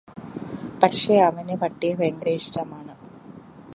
പക്ഷെ അവന് പട്ടിയെ ഭയങ്കര ഇഷ്ടമാണ്.